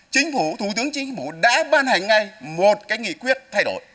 chính phủ thủ tướng chính phủ đã ban hành ngay một cái nghị quyết thay đổi